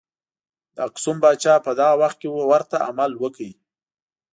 د اکسوم پاچا په دغه وخت کې ورته عمل وکړ.